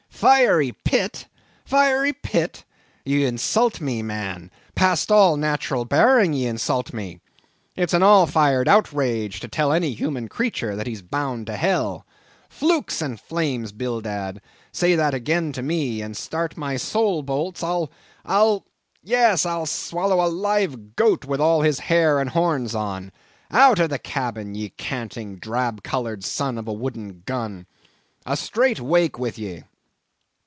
"Fiery pit! fiery pit! ye insult me, man; past all natural bearing, ye insult me. It's an all fired outrage to tell any human creature that he's bound to hell. Flukes and flames! Bildad, say that again to me, and start my soul bolts, but I'll—I'll—yes, I'll swallow a live goat with all his hair and horns on. Out of the cabin, ye canting, drab coloured son of a wooden gun—a straight wake with ye!"